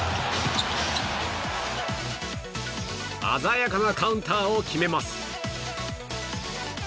鮮やかなカウンターを決めます。